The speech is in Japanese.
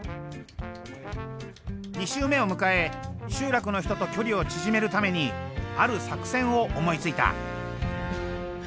２週目を迎え集落の人と距離を縮めるためにある作戦を思いついた。